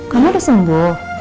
kamu udah sembuh